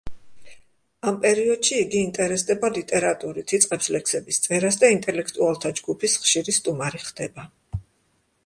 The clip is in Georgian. ამ პერიოდში იგი ინტერესდება ლიტერატურით, იწყებს ლექსების წერას და ინტელექტუალთა ჯგუფის ხშირი სტუმარი ხდება.